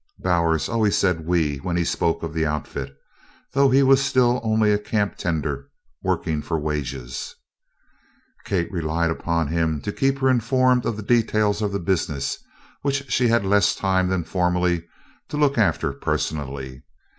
Bowers always said "we" when he spoke of the Outfit, though he was still only a camptender working for wages. Kate relied upon him to keep her informed of the details of the business, which she had less time than formerly to look after personally.